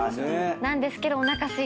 なんですけど。